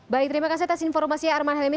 baik terima kasih atas informasi ya arman halimi